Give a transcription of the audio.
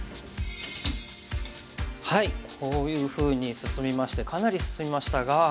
こういうふうに進みましてかなり進みましたが。